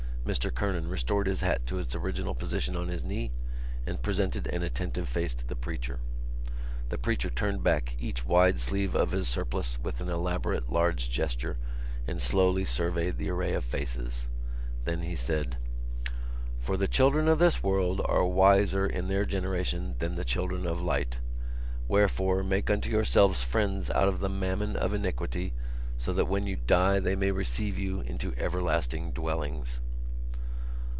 Mr Kernan restored his hat to its original position on his knee and presented an attentive face to the preacher. The preacher turned back each wide sleeve of his surplice with an elaborate large gesture and slowly surveyed the array of faces. Then he said: _"For the children of this world are wiser in their generation than the children of light. Wherefore make unto yourselves friends out of the mammon of iniquity so that when you die they may receive you into everlasting dwellings."